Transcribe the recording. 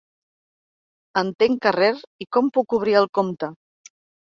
Entencarrer i com puc obrir el compte¿.